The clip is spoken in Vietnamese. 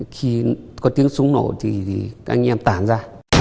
khi có tiếng súng nổ thì các anh em tản ra